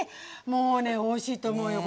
もうねおいしいと思うよ